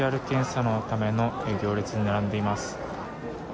ＰＣＲ検査のための行列に並んでいます。